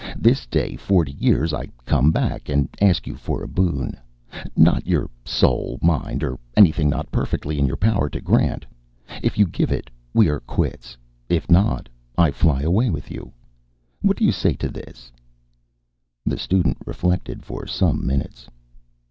This day forty years I come back and ask you for a boon; not your soul, mind, or anything not perfectly in your power to grant. If you give it, we are quits; if not, I fly away with you. What say you to this?" The student reflected for some minutes.